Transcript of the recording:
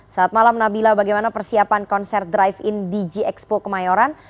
saat malam nabila bagaimana persiapan konser drive in dg expo kemayoran